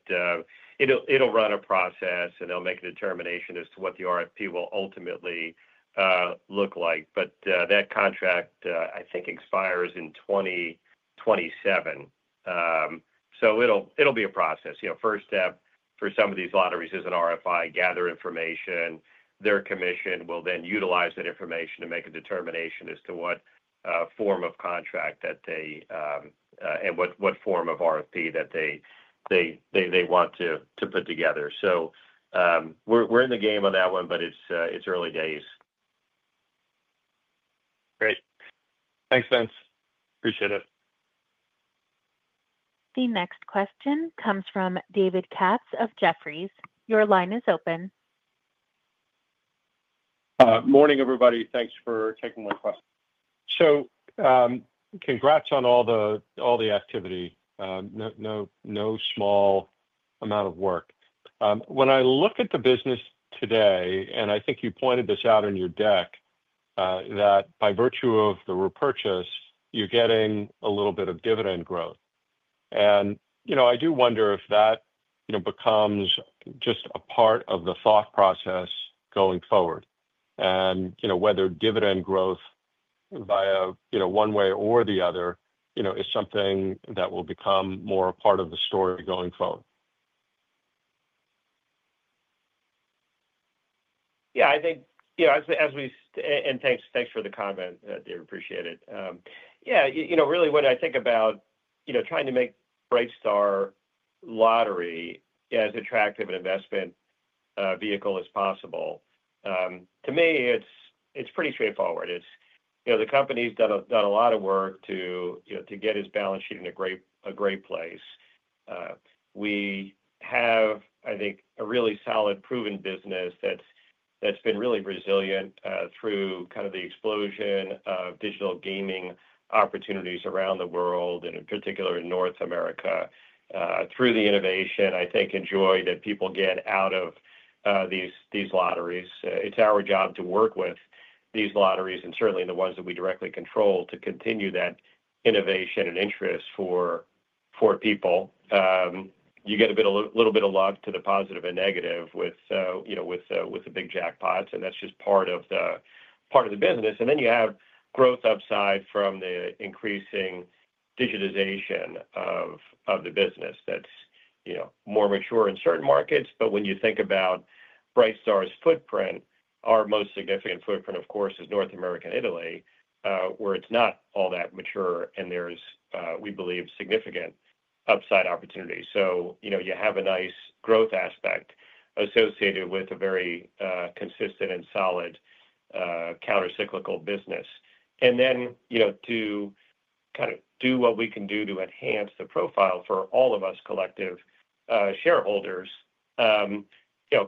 S5: it'll run a process and they'll make a determination as to what the RFP will ultimately look like. That contract, I think, expires in 2027, so it'll be a process. First step for some of these lotteries is an RFI, gather information. Their commission will then utilize that information to make a determination as to what form of contract that they and what form of RFP that they want to put together. We're in the game on that one, but it's early days. Great. Thanks, Vince.
S2: Appreciate it.
S1: The next question comes from David Katz of Jefferies. Your line is open.
S2: Morning, everybody. Thanks for taking my question. Congrats on all the activity. No small amount of work. When I look at the business today, and I think you pointed this out in your deck that by virtue of the repurchase, you're getting a little bit of dividend growth. I do wonder if that becomes just a part of the thought process going forward and whether dividend growth via one way or the other is something that will become more a part of the story going forward. Yeah, I think, as we—thanks for the comment, David. Appreciate it. Really, when I think about trying to make Brightstar Lottery as attractive an investment vehicle as possible, to me, it's pretty straightforward. The company's done a lot of work to get its balance sheet in a great place. We have, I think, a really solid, proven business that's been really resilient through the explosion of digital gaming opportunities around the world and in particular in North America, through the innovation I think, and the joy that people get out of these lotteries. It's our job to work with these lotteries and certainly the ones that we directly control to continue that innovation and interest for people. You get a little bit of love to the positive and negative with the big jackpots. That's just part of the business. You have growth upside from the increasing digitization of the business that's more mature in certain markets. When you think about Brightstar's footprint, our most significant footprint, of course, is North America and Italy, where it's not all that mature, and there's, we believe, significant upside opportunity. You have a nice growth aspect associated with a very consistent and solid countercyclical business. To do what we can do to enhance the profile for all of us collective shareholders,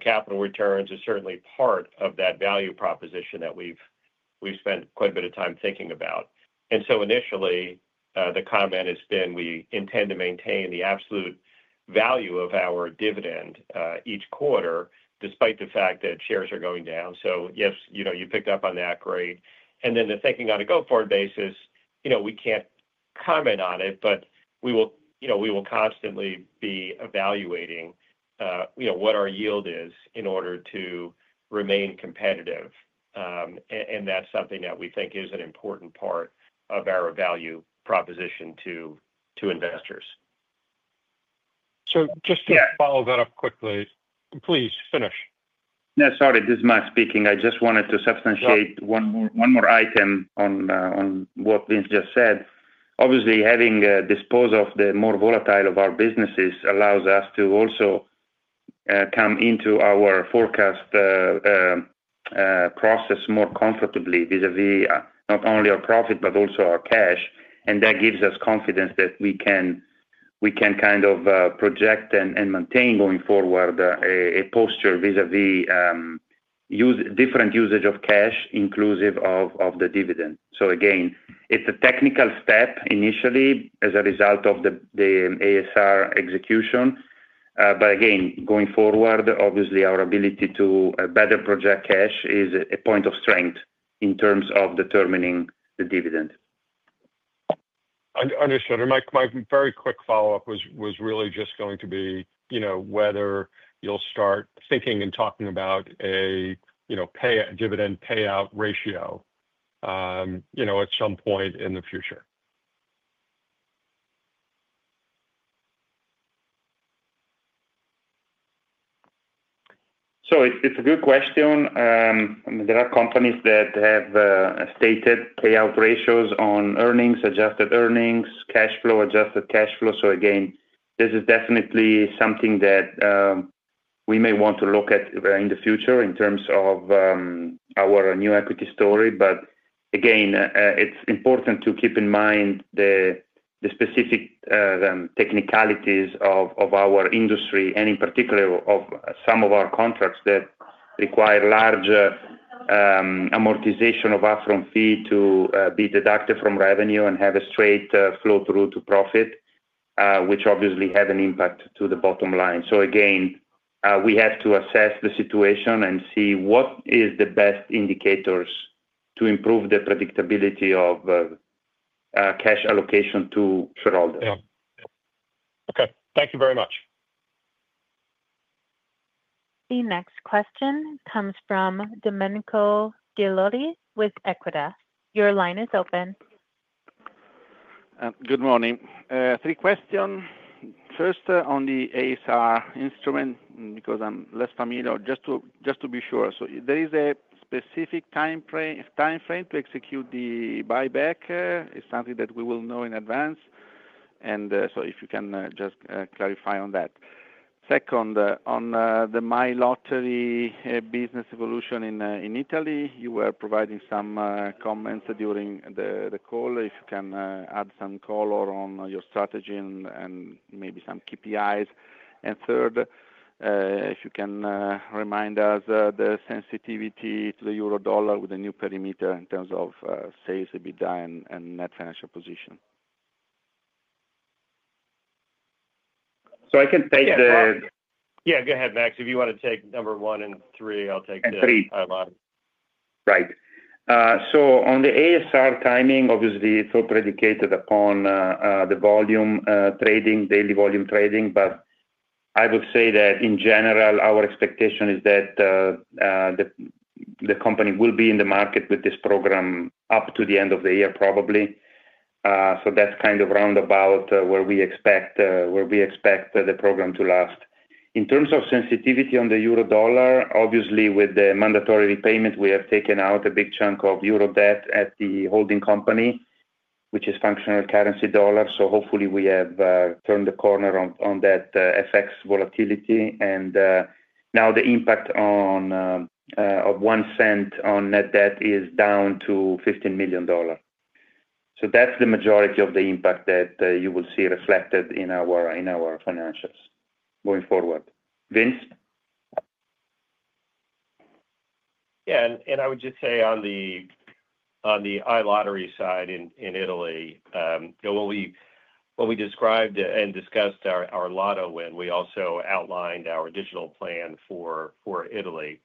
S2: capital returns is certainly part of that value proposition that we've spent quite a bit of time thinking about. Initially the comment has been we intend to maintain the absolute value of our dividend each quarter despite the fact that shares are going down. Yes, you picked up on that. Great. The thinking on a go forward basis, we can't comment on it, but we will constantly be evaluating what our yield is in order to remain competitive. That's something that we think is an important part of our value proposition to investors. Just to follow that up quickly, please finish.
S3: Sorry, this is Matt speaking. I just wanted to substantiate one more item on what Vince just said. Obviously, having disposed of the more volatile of our businesses allows us to also come into our forecast process more comfortably vis a vis not only our profit but also our cash. That gives us confidence that we can kind of project and maintain going forward a posture vis a vis different usage of cash inclusive of the dividend. Again, it's a technical step initially as a result of the accelerated share repurchase program execution, but again, going forward, obviously our ability to better project cash is a point of strength in terms of determining the dividend.
S6: Understood. My very quick follow up was really just going to be whether you'll start thinking and talking about a dividend payout ratio at some point in the future.
S3: It's a good question. There are companies that have stated payout ratios on earnings, adjusted earnings, cash flow, adjusted cash flow. This is definitely something that we may want to look at in the future in terms of our new equity story. Again, it's important to keep in mind the specific technicalities of our industry and in particular of some of our contracts that require large amortization of upfront fee to be deducted from revenue and have a straight flow through to profit, which obviously have an impact to the bottom line. We have to assess the situation and see what is the best indicators to improve the predictability of cash allocation to shareholders.
S6: Okay, thank you very much.
S1: The next question comes from Domenico Delore with Ecuada. Your line is open.
S3: Good morning. Three questions. First on the accelerated share repurchase program instrument because I'm less familiar, just to be sure. There is a specific time frame to execute the buyback. It's something that we will know in advance. If you can just clarify on that. Second, on the MyLotteries Play app business evolution in Italy, you were providing some comments during the call. If you can add some color on your strategy and maybe some KPIs. Third, if you can remind us the sensitivity to the Eurodollar with a new perimeter in terms of sales, adjusted EBITDA and net financial position. I can take the.
S2: Yeah, go ahead, Max. If you want to take number one and three, I'll take. Right.
S3: On the ASR timing, obviously it's all predicated upon the volume trading, daily volume trading. I would say that in general our expectation is that the company will be in the market with this program up to the end of the year probably. That's kind of roundabout where we expect the program to last. In terms of sensitivity on the euro dollar, obviously with the mandatory repayment we have taken out a big chunk of Euro debt at the holding company which is functional currency dollar. Hopefully we have turned the corner on that FX volatility and now the impact of $0.01 on net debt is down to $15 million. That's the majority of the impact that you will see reflected in our financials going forward. Vince?
S2: Yeah, and I would just say on the iLottery side in Italy, when we described and discussed our Lotto win, we also outlined our digital plan for Italy.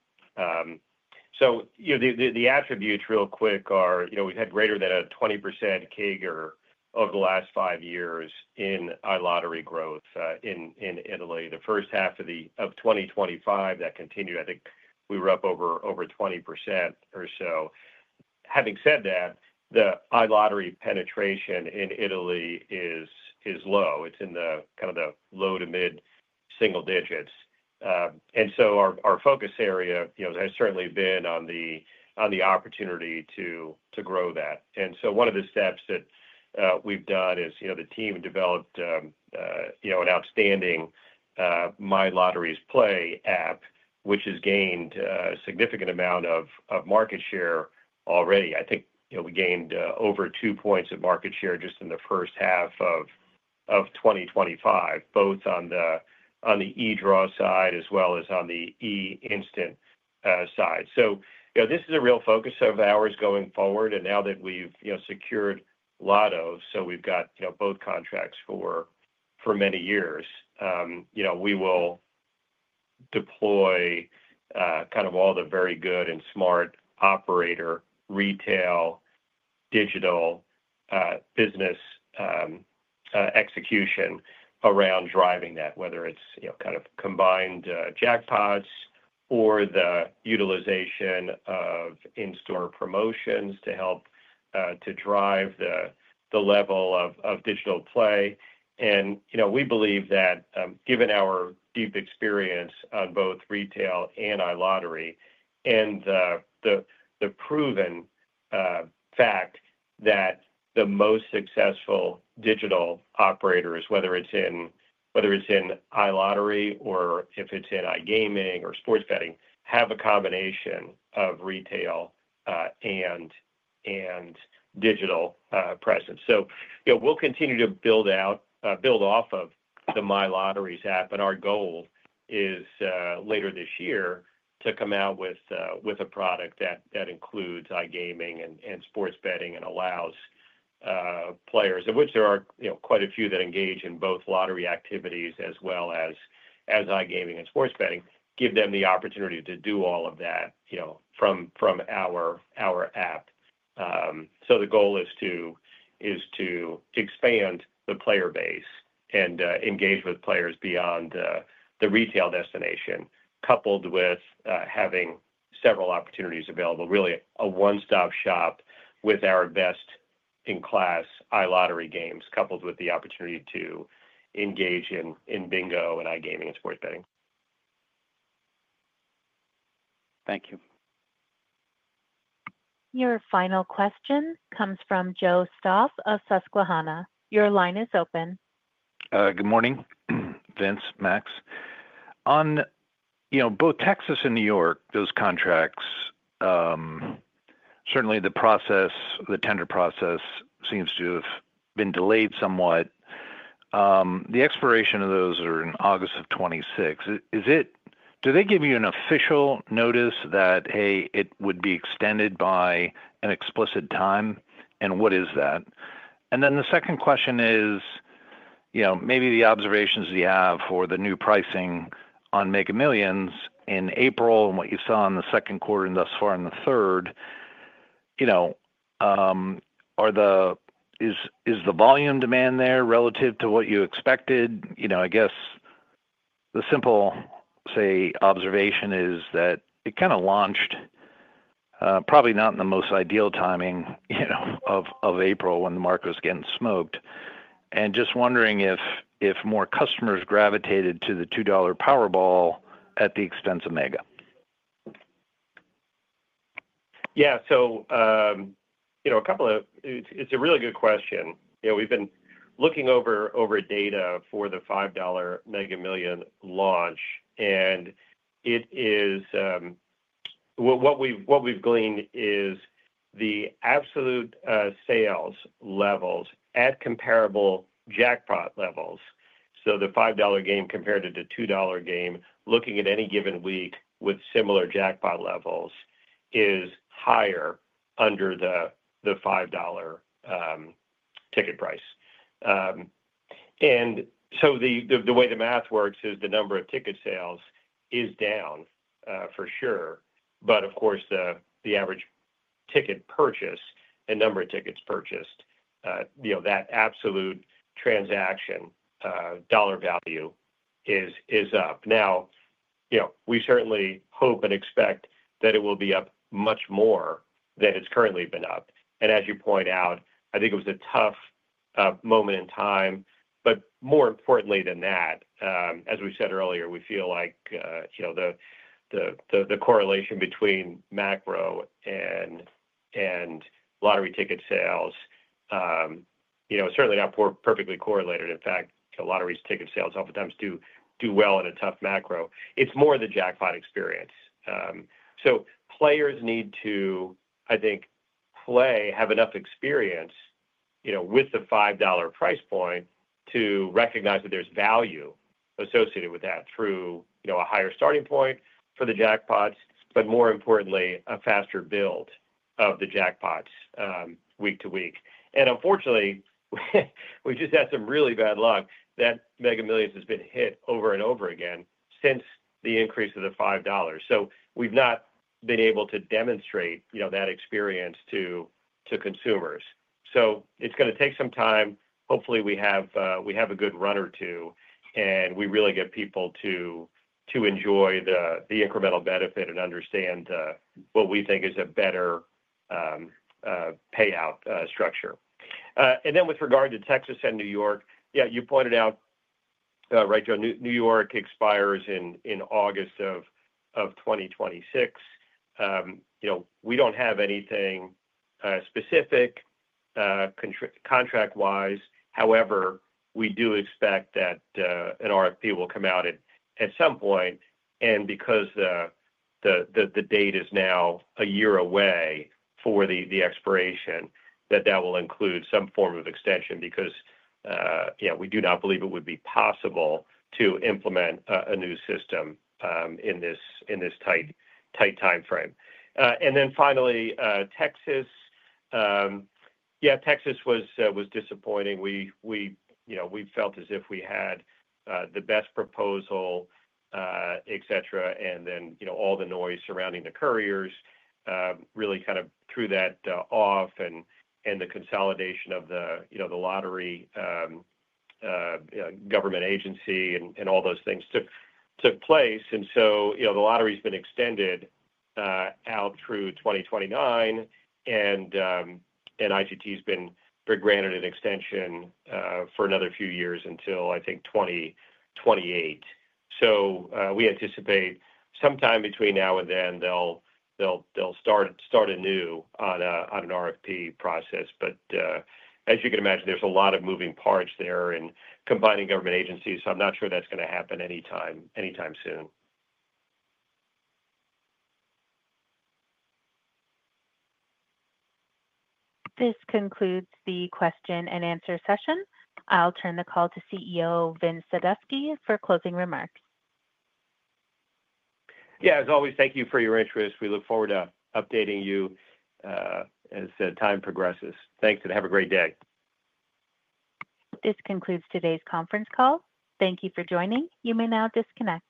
S2: The attributes real quick are, we've had greater than a 20% CAGR over the last five years in iLottery growth in Italy. The first half of 2025 that continued, I think we were up over 20% or so. Having said that, the iLottery penetration in Italy is low. It's in the kind of the low to mid single digits. Our focus area has certainly been on the opportunity to grow that. One of the steps that we've done is the team developed an outstanding MyLotteries Play app which has gained a significant amount of market share already. I think we gained over 2 points of market share just in the first half of 2025, both on the draw games side as well as on the einstant games side. This is a real focus of ours going forward and now that we've secured Lotto, so we've got both contracts for many years, we will deploy all the very good and smart operator retail digital business execution around driving that, whether it's combined jackpots or the utilization of in-store promotions to help to drive the level of digital play. We believe that given our deep experience on both retail and iLottery and the proven fact that the most successful digital operators, whether it's in iLottery or if it's in igaming or sports betting, have a combination of retail and digital presence. We'll continue to build off of the MyLotteries app and our goal is later this year to come out with a product that includes igaming and sports betting and allows players, of which there are quite a few that engage in both lottery activities as well as igaming and sports betting, to give them the opportunity to do all of that from our app. The goal is to expand the player base and engage with players beyond the retail destination, coupled with having several opportunities available, really a one stop shop with our best in class iLottery games coupled with the opportunity to engage in bingo and igaming and sports betting.
S3: Thank you.
S1: Your final question comes from Joe Stoff of Susquehanna. Your line is open.
S3: Good morning, Vince. Max, on you know both Texas and.
S2: New York, those contracts, certainly the process, the tender process seems to have been delayed somewhat. The expiration of those are in August of 2026. Do they give you an official notice that it would be extended by an explicit time? What is that?
S3: The second question is, you.
S2: Maybe the observations you have for.
S3: The new pricing on Mega Millions in April and what you saw in the.
S2: Second quarter and thus far in the third, is the volume demand there relative to what you expected?
S3: I guess the simple say.
S2: Observation is that it kind of launched probably not in the most ideal timing.
S3: Of April when the market was getting.
S2: Smoked and just wondering if more customers.
S7: Gravitated to the $2 Powerball at the expense of Mega.
S2: Yeah, so a couple of. It's a really good question. We've been looking over data for the $5 Mega Millions launch and what we've gleaned is the absolute sales levels at comparable jackpot levels. The $5 game compared to the $2 game, looking at any given week with similar jackpot levels, is higher under the five dollar ticket price. The way the math works is the number of ticket sales is down for sure, but of course the average ticket purchase and number of tickets purchased, that absolute transaction dollar value is up. We certainly hope and expect that it will be up much more than it's currently been up. As you point out, I think it was a tough moment in time. More importantly than that, as we said earlier, we feel like the correlation between macro and lottery ticket sales is certainly not perfectly correlated. In fact, lottery ticket sales oftentimes do well in a tough macro. It's more the jackpot experience. Players need to, I think, play, have enough experience with the $5 price point to recognize that there's value associated with that through a higher starting point for the jackpots, but more importantly a faster build of the jackpots week to week. Unfortunately, we just had some really bad luck that Mega Millions has been hit over and over again since the increase to $5. We've not been able to demonstrate that experience to consumers. It's going to take some time. Hopefully we have a good run or two and we really get people to enjoy the incremental benefit and understand what we think is a better payout structure. With regard to Texas and New York, you pointed out, right, Joe, New York expires in August of 2026. We don't have anything specific contract wise. However, we do expect that an RFP will come out at some point and because the date is now a year away for the expiration, that will include some form of extension because we do not believe it would be possible to implement a new system in this tight time frame. Finally, Texas was disappointing. We felt as if we had the best proposal, et cetera. All the noise surrounding the couriers really kind of threw that off. The consolidation of the lottery government agency and all those things took place. The lottery's been extended out through 2029 and International Game Technology has been granted an extension for another few years until, I think, 2028. We anticipate sometime between now and then they'll start anew on an RFP process. As you can imagine, there's a lot of moving parts there in combining government agencies. I'm not sure that's going to happen anytime soon.
S1: This concludes the question and answer session. I'll turn the call to CEO Vince Sadusky for closing remarks.
S2: Yeah, as always, thank you for your interest. We look forward to updating you as time progresses. Thanks, and have a great day.
S1: This concludes today's conference call. Thank you for joining. You may now disconnect.